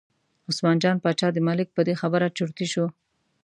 عثمان جان باچا د ملک په دې خبره چرتي شو.